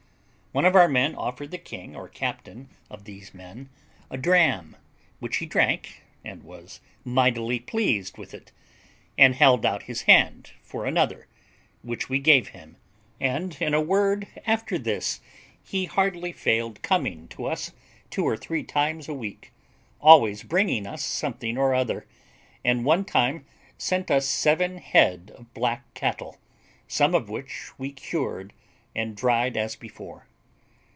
One of our men offered the king or captain of these men a dram, which he drank and was mightily pleased with it, and held out his hand for another, which we gave him; and in a word, after this, he hardly failed coming to us two or three times a week, always bringing us something or other; and one time sent us seven head of black cattle, some of which we cured and dried as before.